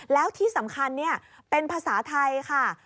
แล้วที่สำคัญเป็นภาษาไทยค่ะ